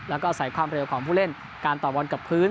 ในความเร็วของผู้เล่นการต่อวนกับพื้น